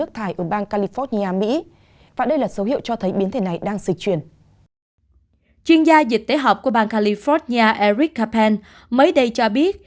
chuyên gia dịch tế học của bang california eric capen mới đây cho biết